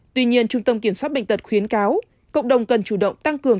tuy nhiên trung tâm kiểm soát bệnh tật khuyến cáo cộng đồng cần chủ động tăng cường